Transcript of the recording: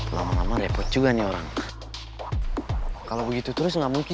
lama lama repot juga nih orang kalau begitu terus nggak mungkin